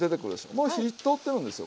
もう火通ってるんですよ